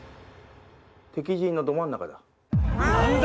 敵陣のど真ん中だ。